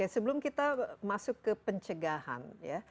sebelum kita masuk ke pencegahan ya